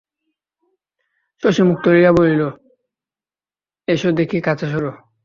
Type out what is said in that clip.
শশী মুখ তুলিয়া বলিল, এসো দেখি কাছে সরে।